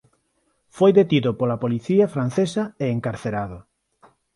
Foi detido pola policía francesa e encarcerado.